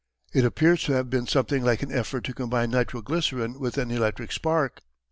It appears to have been something like an effort to combine nitro glycerine with an electric spark.